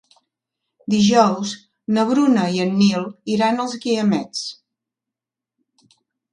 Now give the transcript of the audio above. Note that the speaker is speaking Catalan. Dijous na Bruna i en Nil iran als Guiamets.